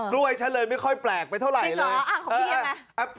กล้วยฉันเลยไม่ค่อยแปลกไปเท่าไหร่จริงเหรอของพี่ยังไง